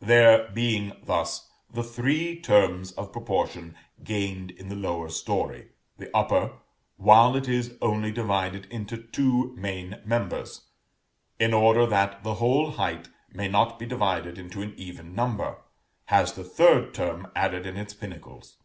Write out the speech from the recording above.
There being thus the three terms of proportion gained in the lower story, the upper, while it is only divided into two main members, in order that the whole height may not be divided into an even number, has the third term added in its pinnacles.